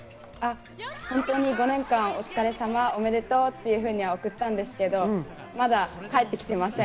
本当に５年間お疲れ様、おめでとうって送ったんですけど、まだ返ってきてません。